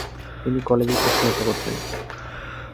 তিনি কলেজে শিক্ষকতা করতেন।